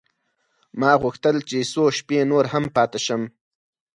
ما غوښتل چې څو شپې نور هم پاته شم.